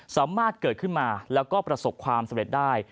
สามารถเกิดขึ้นมาแล้วก็ประสบความสำเร็จได้